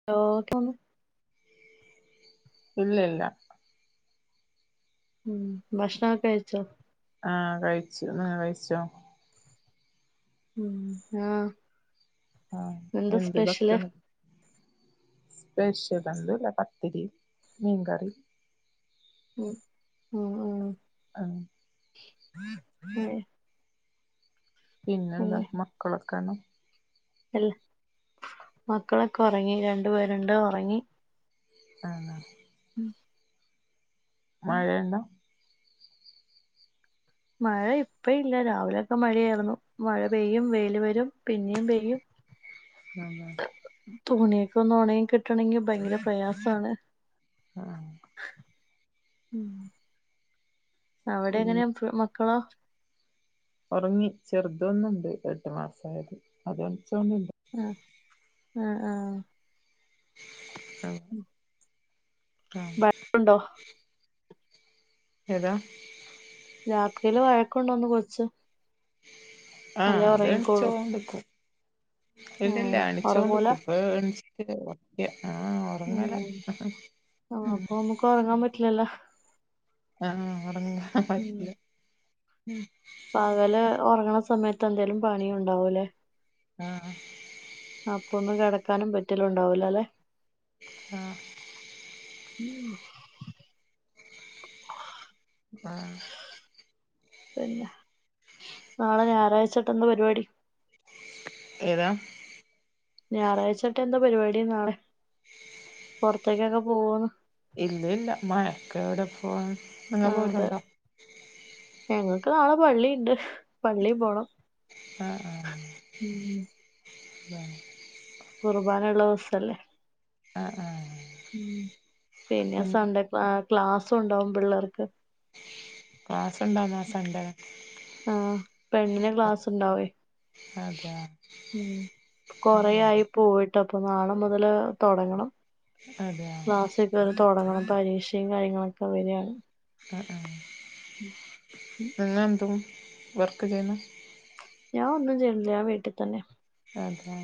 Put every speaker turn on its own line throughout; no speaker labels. [unintelligible]
ഇല്ലെ ഇല്ല്യാ.
ഉം ഭഷണം കഴിച്ചോ?
ആ കഴിച്ചു ങ്ങള് കഴിച്ചോ
ആഹ്
ആഹ്
എന്താ
എന്ത്
സ്പെഷ്യല്
ഭക്ഷണം സ്പെഷ്യൽ ഒന്നുല്ല ഇല്ല പത്തിരി മീൻകറി
ഉം ഉ ഉ
ആഹ
[unintelligible]
പിന്നെന്താ
പിന്നെ
മക്കളൊക്കെ ആണോ
അല്ല മക്കളൊക്കെ ഒറങ്ങി രണ്ട് പേരുണ്ട് ഒറങ്ങി
ആഹ് ആഹ്
ഉമ്
മഴ ഇണ്ടോ
മഴ ഇപ്പ ഇല്ല രാവിലെയൊക്കെ മഴയായിരുന്നു മഴ പെയ്യും വെയില് വരും പിന്നെയും പെയ്യും
[unintelligible]
തുണിയൊക്കെ ഒന്ന് ഉണങ്ങി കിട്ടണെങ്കിൽ ഭയങ്കര പ്രയാസമാണ്.
ആഹ്
ഉമ് അവിടെ
ഈ
എങ്ങനെയാ ഫുൾ മക്കളോ
ഉറങ്ങി ചെറുത് ഒന്നുണ്ട് എട്ട് മാസയത് അത് [unintelligible]
ആഹ് ആഹ്
ഉമ് ഉമ്
ഉണ്ടോ
ഏതാ?
രാത്രിയില് വഴക്കുണ്ടെന്ന് കൊച്ച് അല്ലേ
ആഹ് അത്
ഒറങ്ങിക്കോളൂ
എണിച്ചോണ്ട്ക്കും ഇല്ലല്ല
ആഹ് ഒറങ്ങൂല
എണിച്ചോണ്ട്ക്കും [unintelligible] അ ആഹ് ഉറങ്ങല
ഉം ആഹ് അപ്പൊമുക്ക് ഉറങ്ങാൻ പറ്റില്ലല്ലോ
ആഹ് ഉറങ്ങ
ഉം
പറ്റില്ല ഉം.
പകല് ഉറങ്ങണ സമയത്ത് എന്തേലും പണി ഉണ്ടാവൂല്ലേ
ആ ആഹ്.
അപ്പൊന്നും കിടക്കാനും പറ്റലുണ്ടാവൂല ല്ലെ?
ആഹ്
ഉം..
ആഹ്
പിന്നെ നാളെ ഞായറാഴ്ആയിട്ട് എന്താ പരിപാടി
ഏതാ
ഞായറാഴ്ചട്ട് എന്താ പരിപാടി നാളെ പുറത്തേക്കൊക്കെ പോവന്ന്
ഇല്ലല്ല മഴൊക്കെ എവിടെ പോവാൻ നിങ്ങൾ
ആഹ് അതെ
പോവലുണ്ടോ
ഞങ്ങക്ക് നാളെ പള്ളി ഇണ്ട് പള്ളി പോണം
ആഹ് ആഹ്...
ഉമ്
ബാ
കുർബാന ഉള്ളോസ്സല്ലേ
ആഹ് ആഹ്
പിന്നെ സൺഡേ ക്ലാസ് ഉണ്ടാവും പിള്ളേർക്ക്
ക്ലാസ് ഉണ്ടാവുമോ സൺഡേ
ആഹ് പെണ്ണിന് ക്ലാസ് ഉണ്ടാവയ്
അതെയോ
ഉം കൊറേ ആയി
ആഹ്
പോയിട്ട അപ്പോ നാളെ മുതല് തൊടങ്ങണം.
അതെ
ക്ലാസ്സൊക്കെ അവടെ തുടങ്ങണം പരീക്ഷയും കാര്യങ്ങളൊക്കെ വരയാണ്.
ആ ആഹ് പിന്നെന്തൂം വർക്ക് ചെയ്യുന്നേ
ഞാ ഒന്നും ചെയ്ണില്ല ഞാൻ വീട്ട്തന്നെ
അതെ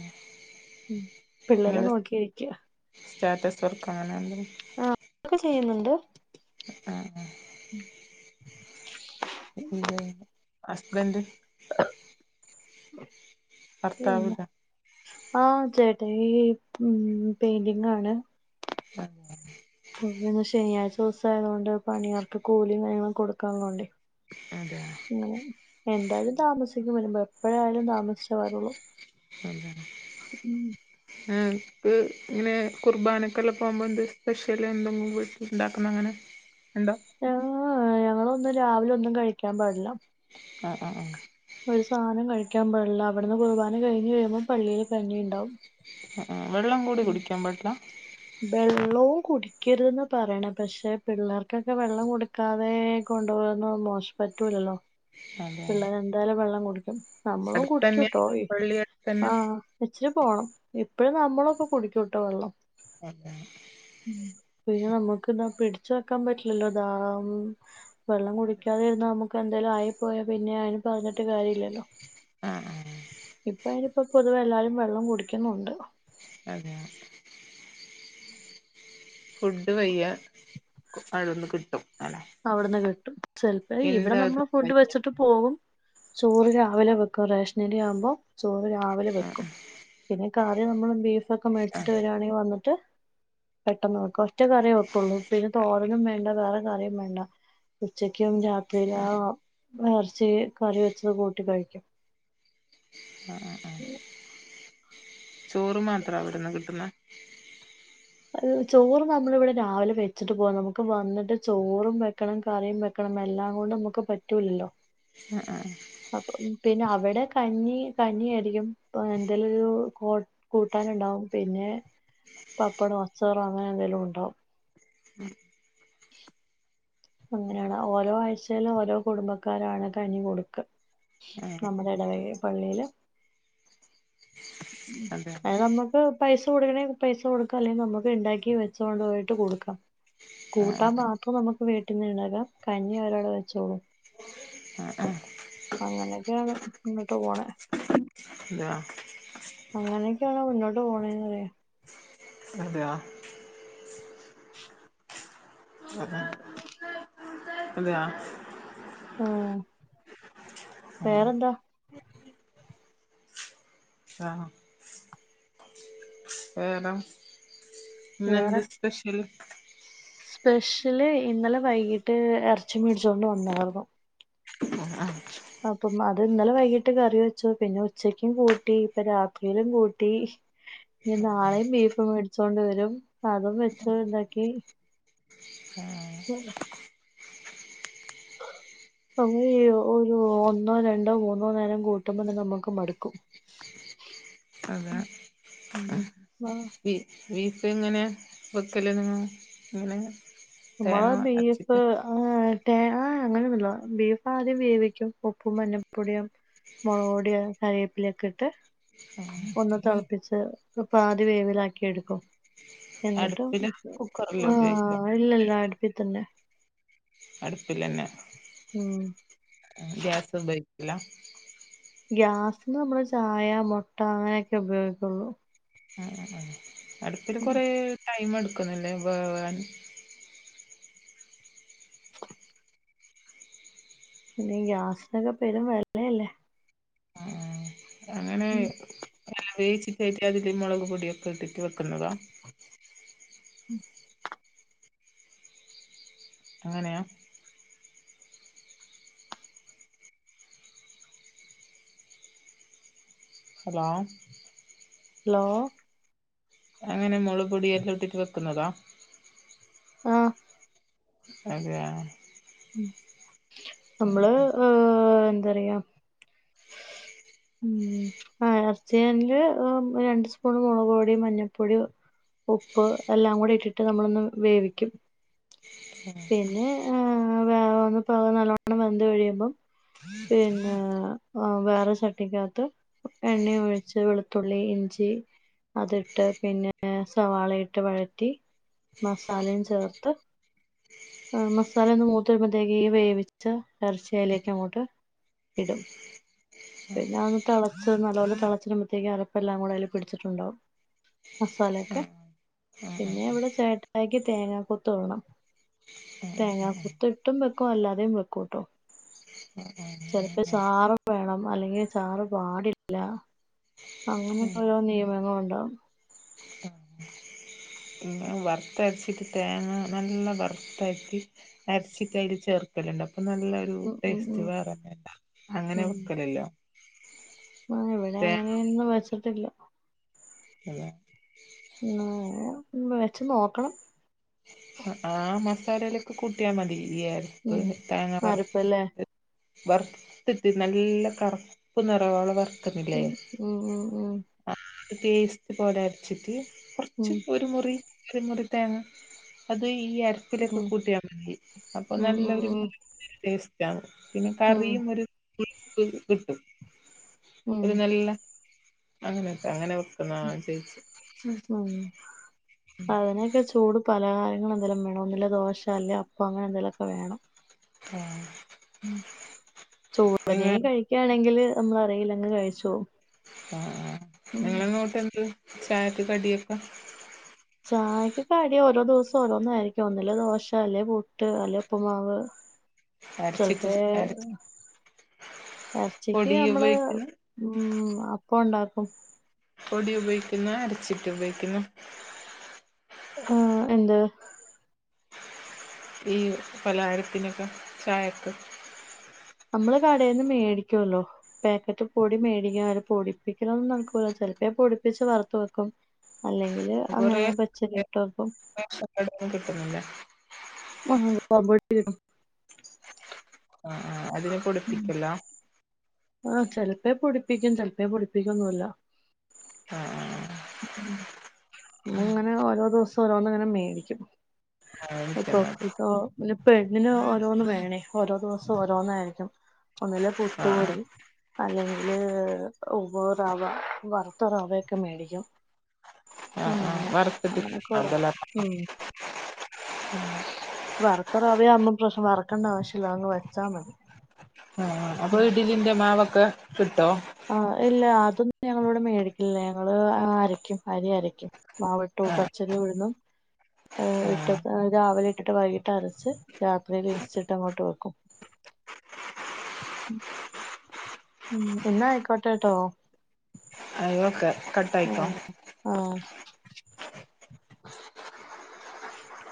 ഉം പിള്ളേരെ നോക്കിയിരിക്ക്യാ
സ്റ്റാറ്റസ് വർക്ക്‌ ആണല്ലെ
ഒക്കെ ചെയ്യല്ണ്ട്
ആഹ് ആഹ്. ഹസ്ബൻഡ് ഭർത്താവ്
പിന്നെ
ഇതാ
ആ ചേട്ടായി ഉം പെയിന്റിങ്ങ് ആണ്.
അങ്ങനെ
ശനിയാഴ്ച ദിവസം ആയതു കൊണ്ട് പണിയർക്ക് കൂലിയും കാര്യങ്ങളും കൊടുക്കാള്ളോണ്ടെയ്
അതെയോ
എന്തായാലും താമസി ട്ടീക്ക് വരുമ്പോ എപ്പൊഴായാലും താമസിച്ചേ വരുള്ളൂ
പറ
ഉം
ആഹ് ഉം പിന്നേ കുർബാനൊക്കെല്ലാ പോവുമ്പോ എന്ത് സ്പെഷ്യല് എന്തെങ്കും വീട്ടില് ഇണ്ടാക്കുന്നൊ അങ്ങനെ എന്തോ
ആഹ് ഞങ്ങളൊന്നും രാവിലെ ഒന്നും കഴിക്കാൻ പാടില്ല
ആഹ് ആഹ് ആഹ്
ഒരു സാധനം കഴിക്കാൻ പാടില്ല അവിടുന്ന് കുർബാന കഴിഞ്ഞ് കഴിയുമ്പോ പള്ളിയില് കഞ്ഞിയിണ്ടാവും
വെള്ളം കൂടി കുടിക്കാൻ പറ്റില്ല
വെള്ളവും കുടിക്കരുതെന്ന് പറയണ പക്ഷെ പിള്ളേർക്കൊക്കെ വെള്ളം കൊടുക്കാതെ കൊണ്ടാവാന്ന മോശ പറ്റൂല്ലല്ലോ
അതെ
പിള്ളേര് എന്തായാലും വെള്ളം കുടിക്കും നമ്മളും
അടുത്തന്നെ
കുടിക്കുട്ടോ
പള്ളി അടുത്തന്നെ
ആ ഇച്ചിരി പോണം ഇപ്പഴും നമ്മളൊക്കെ കുടിക്കൂട്ടോ വെള്ളം.
അതെ
പിന്നെ നമുക്ക് എന്താ പിടിച്ച വെക്കാൻ പറ്റില്ലല്ലോ ദാന്ന് വെള്ളം കുടിക്കാതെ ഇരുന്നാ നമുക്ക് എന്തേലും ആയി പോയാ പിന്നെ അയിന് പറഞ്ഞിട്ട് കാര്യ ഇല്ലല്ലോ.
ആ ആഹ്
ഇപ്പ അയിനിപ്പോ പൊതുവെ എല്ലാരും വെള്ളം കുടിക്കുന്നുണ്ട്
അതെ ഫുഡ് വെയ്യ അവിട്ന്ന് കിട്ടും അല്ലെ
അവിട്ന്ന് കിട്ടും ചെൽപം ഇവിടെ
എന്താ അത്
നമ്മൾ ഫുഡ്
കഞ്ഞി
വെച്ച ഇട്ട് പോകും ചോറ് രാവിലെ വെക്കും റേഷനരി ആവുമ്പോ ചോറ് രാവിലെ
ആഹ്
വെക്കും പിന്നെ കറി നമ്മള് ബീഫ്‌ ഒക്കെ മേടിച്ചിട്ട്
ആഹ്
വരി വാണെങ്കിൽ വന്നിട്ട് പെട്ടെന്ന് വെക്കും. ഒറ്റ കറിയേ വെക്കുള്ളൂ പിന്നെ തോരനും വേണ്ട വേറെ കറിയും വേണ്ട ഉച്ചക്കും രാത്രിയില ആ ഇറച്ചി കറി വെച്ചത് കൂട്ടി കഴിക്കും
ആ ആ ആ ചോറ് മാത്രവിടെന്ന് കിട്ടുന്ന
ചോറ് നമ്മള് ഇവിടെ രാവിലെ വെച്ചിട്ട് പോവ നമുക്ക് വന്നിട്ട് ചോറും വെക്കണം കറിയും വെ എല്ലാം കൊണ്ടും നമുക്ക് പറ്റൂലല്ലോ
ആ ആ
അപ്പം പിന്നെ അവിടെ കഞ്ഞീ കഞ്ഞി ആയിരിക്കും പ്പൊ എന്തേലുംരു [unintelligible] കൂട്ടാനുണ്ടാവും പിന്നെ
[unintelligible]
പപ്പടോ അച്ചാറോ അങ്ങനെ എന്തെലും ഉണ്ടാവും
ഉം
അങ്ങനെയാണ് ഓരോ ആഴ്ചയിലും ഓരോ കുടുംബക്കാരാണ് കഞ്ഞി കൊട്ക്ക.
ആഹ്
നമ്മടെ ഇടവകെപള്ളിയില്
അതെ
കണംമ്മക്ക് [unintelligible] പൈസ കൊടുക്കണേ പൈസ കൊടുക്കാം അല്ലെങ്കിൽ നമുക്ക് ഇണ്ടാക്കി വെച്ചോണ്ട് പോയിട്ട് കൊടുക്കാം. കൂട്ടാൻ
ആഹ്
മാത്രം നമുക്ക് വീട്ടീന്ന്ണ്ടാകാം കഞ്ഞി അവരവടെ വെച്ചോളും.
ആഹ് ആഹ്
അ അങ്ങനെയൊക്കെയാണ് മുന്നോട്ട് പോണ
ഇല്ല.
അങ്ങനെക്കെണ് മുന്നോട്ട് പോണന്നറിയ
അതെ ദേവാ ജൂസ് ജൂസ് ജൂസ് എന്തിന?
ആഹ്
ആഹ്
വേറെന്താ
ആഹ് വേറെ
വേറെ
ഇന്നന്തെ സ്പെഷ്യല്?
സ്പെഷ്യല് ഇന്നലെ വൈകിട്ട് എറച്ചി മേടിച്ചൊണ്ട് വന്നാർന്ന്
ആഹ്
അപ്പം അത് ഇന്നലെ വൈകിട്ട് കറി വെച്ചു. പിന്നെ ഉച്ചക്കും കൂട്ടി. ഇപ്പ രാത്രിയിലും കൂട്ടി. ഞി നാളെയും ബീഫ് മേടിച്ചോണ്ട് വരും അതും വെച്ച്ണ്ടാക്കി. [inaudible] [unintelligible] ഒരു ഒന്നോ രണ്ടോ മൂന്നോ നേരം കൂട്ടുമ്പോന്നമ്മക്ക് മടുക്കും. ഉം ഉം ആഹ്
ബി ബീഫ്എങ്ങനെ വെക്കല് നിങ്ങൾ ഇങ്ങനെ.
മാ ബീഫ്. ആഹ് ട്ടേ ആഹ് അങ്ങനെന്നുല്ല ബീഫ് ആദ്യം വേവിക്കും ഉപ്പും മഞ്ഞപ്പൊടിയും മോളക്പൊടി കറിവേപ്പിലക്കെഇട്ട് ഒന്ന് തള്പ്പിച്ച് പാതി വേവിലാക്കി എടുക്കും. എന്ന്ട്ട്
അടുപ്പില് കുക്കറില് ഉപയോഗിക്കാം
ആഹ് ഇല്ലല്ല അടുപ്പി തന്നെ.
അടുപ്പിലന്നെ
ഉം
ഗ്യാസ് ഉപയോ ക്കൂല.
ഗ്യാസിന് നമ്മള് ചായ മുട്ട അങ്ങനെയൊക്കെ ഉപയോഗിക്കുള്ളൂ.
ആഹ് ആഹ് ആഹ് അട്പ്പില്
ഉം
കൊറേ ടൈം എടുക്കുന്നില്ലേ വേവാൻ.
പിന്നെ ഗ്യാസിനൊക്കെ പെരും വെലയല്ലെ.
അങ്ങനെ
ഉം
ആവി വേിച്ചിട്ടായിട്ട് അതില് മുളക് പൊടിയൊക്കെ ഇട്ടിട്ട് വെക്കുന്നതാ
ഉം.
അങ്ങനെയ. ഹലോ.
ലോ
അങ്ങനെമുളക്പൊടികെഇട്ടിട്ട് വെക്കുന്നതാ
ആഹ്
അതെആ
നമ്മള് ആ ഹ് എന്താറിയാ.
ഉ...
ഉം പഴയ ഇറച്ചിയല് രണ്ട് സ്പൂണ് മുളക് പൊടി മഞ്ഞപ്പൊടി ഉപ്പ് എല്ലാം കൂടി ഇട്ടിട്ട് നമ്മളൊന്ന് വേവിക്കും പിന്നെ വേ ഒന്ന് പ നല്ലവണ്ണം വെന്ത് കഴിയുമ്പം. പിന്നെവേറെചട്ടിക്കകത്ത് എണ്ണഒഴിച്ചവെളുത്തുള്ളി ഇഞ്ചി അതിട്ട് പിന്നെ സവാളയിട്ട് വഴറ്റി മസാലയുംചേർത്ത് ആഹ് മസാല ഒന്ന് മൂത്ത് വരുമത്തേക്ക് ഈ വേവിച്ച എറച്ചി അയിലേക്ക് അങ്ങോട്ട് ഇടും പിന്നെ അതൊന്ന് തെളച്ച് നല്ലോെലെ തിളച്ചിനുമമ്പോത്തേക്ക് അരപ്പ് എല്ലാം കൂടി അതില് പിടിച്ചിട്ടുണ്ടാവും മസാലക്കെ
ആഹ് ആഹ്
പിന്നെ
ആഹ്
ഇവിടെ ചേട്ടാന്ക്കെ തേങ്ങകൊത്ത് ഇടണം
ആഹ്
തേങ്ങാ
ആഹ് ആഹ്
കുത്ത്ഇട്ടുംവെക്കും അല്ലാതെ വെക്കുട്ടോ ചെലപ്പോ
ആഹ് ആഹ്
ചാറ് വേണം അല്ലെങ്കിൽ ചാറ് പാടില്ല
ആഹ്
അങ്ങനക്കെ ഓരോ നിയമങ്ങളുണ്ടോ?
ഉം വറുത്തരച്ചിട്ട് തേങ്ങ നല്ല വറ്ത്താക്കി ർച്ചിക്കയൽ ചേർക്കലുണ്ട് അപ്പൊ നല്ല
ഉം ഉം
ടെസ്റ്റ്
ഉം
വേറെന്നണ്ടാവും അങ്ങനെ വേക്കലില്ല
ആഹ് ഇവിടെ അങ്ങനെയൊന്നും വെച്ചിട്ടില്ല
അതെ
ങ വേറൊന്ന് വെച്ച് നോക്കണം.
ആ മസാലയിലേക്ക്കൂട്ടിയാ മതി ഈ എരപ്പ്
ഉം
താങ്ങാ പറ
അരപ്പല്ലേ
വറ്ത്തിട്ട് നല്ല കറ്പ്പ് നറോളം വറ്
ഉം ഉം ഉം ഉം
[unintelligible] പേസ്റ്റ് പോലര്ച്ചിട്ട്.
ഉം
ഒരു മുറി ഒരു മുറിതേങ്ങ അത് ഈ അ ലൊക്കെ
ഉം
കൂട്ടിയാ മതി അപ്പൊ
ഉം ഉം ഉം
നല്ലരുടെസ്റ്റ് ര പിന്നെ
ഉം
കറിയും ഒരു പുട്ടും കിട്ടും
ഉം
ഒരു നല്ല. അങ്ങനെയൊക്കെ അങ്ങനെ. വെക്കുന്നതാ ചേച്ചി
ഉം അതിനൊക്കെ ചൂട് പലഹാരങ്ങളന്തലുംവേണം ഒന്നില് ദോശ അല്ലേഅപ്പം അങ്ങനെ എന്തെലോക്കെവേണം
ആഹ
മ്
നിങ്ങ
ചോടനെ കഴിക്കാണെങ്കിൽ നമ്മൾ അറിയില്ലങ്ങ്കഴിച്ചോ
ആഹ് ആഹ് നിങ്ങളങ്ങോട്ട് എന്ത് ചായക്ക് കടിയൊക്കെ?
ചായക് കടി ഓരോ ദിവസം ഓരോന്നാ യിരിക്കും ഒന്നല്ലേ ദോശ, അല്ലെപുട്ട്, അല്ലെ ഉപ്പ്മാവ്.
അരച്ചിട്ട്
റബ്ബേ
അരച്ച്
എർച്ചിക്ക്
പൊടി
നമ്മള്.
ഉപയോഗിക്കുന്നു
ഉം അപ്പോണ്ടാക്കും.
പൊടി ഉപയോഗിക്കുന്നേ? അര്ച്ചിട്ട് ഉപയോഗിക്കുന്നേ?
ആഹ്എന്ത്
ഈ പലഹാരത്തിനൊക്കെ ചായക്ക്
നമ്മള് കടേന്ന് മേടിക്കുവല്ലോ. പാക്കറ്റ് പൊടി മേടിക്ക പൊടിപ്പിക്കലോന്നും നടക്കുല ചെലപ്പോ പൊടിപ്പിച്ച് വറുത്ത് വെക്കും അല്ലെങ്കില് അങ്ങനെ പച്ചക്കിട്ട് വെക്കും
ഇവിടൊന്നും കിട്ടുന്നില്ല
ആഹ് കബഡി ആണ്.
ആഹ് ആഹ് അതിനെ പൊടിപ്പിക്കല
ആഹ് ചെലപ്പേ പൊടിപ്പിക്കും ചെലപ്പേ പൊടിപ്പിക്കൊന്നുല്ല
ആഹ ആഹ്. ആഹ്
ഇങ്ങനെ ഓരോ ദിവസം ഓരോന്ന ഇങ്ങനെ മേടിക്കും
ആഹ് എനിക്കെന്നത്
അപ്പപ്പട്ട. ഇന്റ പെണ്ണിന് ഓരോന്ന് വേണേ ഓരോ ദിവസം ഓരോന്നായിരിക്കും ഒന്നില്.
ആഹ്
പുട്ട്പൊടി
ആഹ്
അല്ലെങ്കിൽ ഉപോറവ വറ്ത്ത റവയൊക്കെ മേടിക്കും.
ആഹ് ആഹ് വറുത്തിട്ട്
അങ്ങനെഅങ്ങനെക്കെഓരോ
അതല്ല
ഉ വറത്തറവവുമ്പോപ്രശ്നം വറക്കണ്ട ആവശ്യല്ല അങ് വച്ചാമതി
അപ്പൊ ഇഡിലിന്റെ മാവൊക്കെ കിട്ടോ
ആഹ് ഇല്ല അതൊന്ന് ഞങ്ങള്മേടിക്കലില്ലഞങ്ങള് അരയ് ക്കും അരി അരയ്ക്കും മാവിട്ടു പച്ചരി ഉഴന്നും
ആഹ്
[unintelligible] രാവിലെ ഇട്ടിട്ട് വൈകിട്ട് അരച്ച് രാത്രിയിൽ ഈസ്റ്റ്ട്ട് അങ്ങോട്ട് വെക്കും ഉം എന്നാ ആയിക്കോട്ടെട്ടോ
എന്നാ ഓക്കെ കട്ടായിക്കോ
ആഹ് ആഹ് [inaudible]